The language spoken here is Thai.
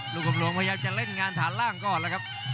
กำหลวงพยายามจะเล่นงานฐานล่างก่อนแล้วครับ